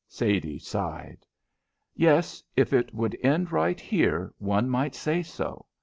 Sadie sighed. "Yes, if it would end right here one might say so.